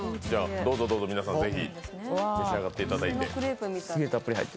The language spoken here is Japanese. どうぞどうぞ、皆さんぜひ召し上がっていただいて。